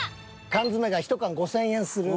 缶詰が１缶５、０００円する。